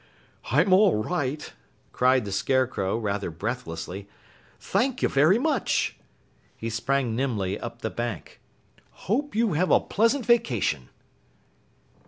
"I'm all right," cried the Scarecrow rather breathlessly. "Thank you very much!" He sprang nimbly up the bank. "Hope you have a pleasant vacation!"